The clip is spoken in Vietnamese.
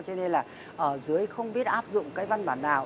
cho nên là ở dưới không biết áp dụng cái văn bản nào